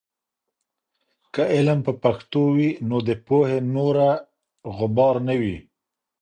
که علم په پښتو وي، نو د پوهې نوره غبار نه وي.